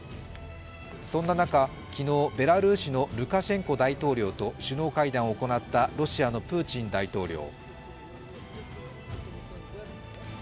そんな中、昨日ベラルーシのルカシェンコ大統領と首脳会談を行ったロシアのプーチン大統領。